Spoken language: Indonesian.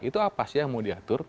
itu apa sih yang mau diatur